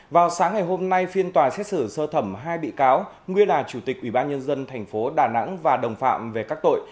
vào sáng ngày hôm nay phiên tòa xét xử sơ thẩm hai bị cáo nguyên là chủ tịch ủy ban nhân dân thành phố đà nẵng và đồng phạm về các tội